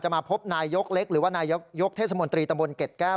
มาพบนายยกเล็กหรือว่านายกเทศมนตรีตำบลเกร็ดแก้ว